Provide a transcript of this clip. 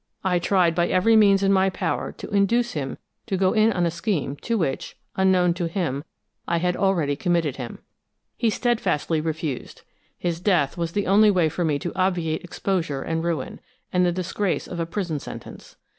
I tried by every means in my power to induce him to go in on a scheme to which, unknown to him, I had already committed him. He steadfastly refused. His death was the only way for me to obviate exposure and ruin, and the disgrace of a prison sentence.